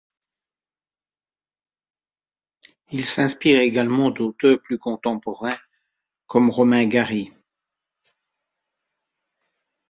Il s'inspire également d'auteur plus contemporains comme Romain Gary.